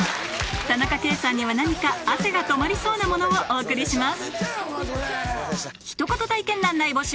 田中圭さんには何か汗が止まりそうなものをお送りします